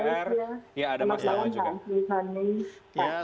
selamat malam ibu yenti